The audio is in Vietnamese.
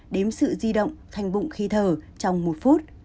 đếm sự di động thành bụng khí thở trong một phút